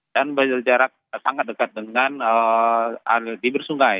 dan berjarak sangat dekat dengan di bersungai